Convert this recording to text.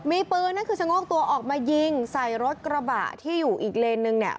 มีปืนนั่นคือชะโงกตัวออกมายิงใส่รถกระบะที่อยู่อีกเลนนึงเนี่ย